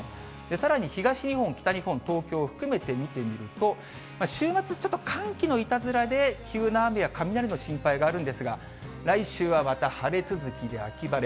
さらに東日本、北日本、東京含めて見てみると、週末、ちょっと寒気のいたずらで、急な雨や雷の心配があるんですが、来週はまた晴れ続きで秋晴れ。